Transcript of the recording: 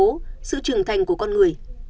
cây sừng sững trưởng thành của con người